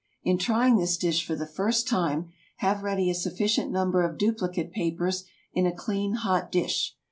In trying this dish for the first time, have ready a sufficient number of duplicate papers in a clean, hot dish.